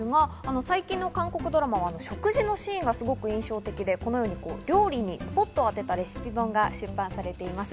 最近の韓国ドラマは食事のシーンがすごく印象的で、このように料理にスポットを当てたレシピ本が出版されています。